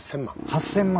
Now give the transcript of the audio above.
８，０００万。